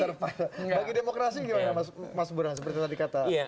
bagi demokrasi gimana mas burang seperti tadi kata rocky